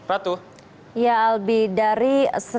ratu ya albi dari